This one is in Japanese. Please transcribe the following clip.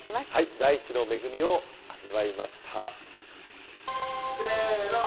大地の恵みを味わいました。